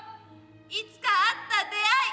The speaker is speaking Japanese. いつかあった出会い。